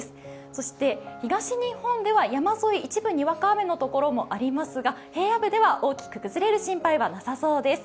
そして東日本では山沿い、一部にわか雨の所もありますが、平野部では大きく崩れる心配はなさそうです。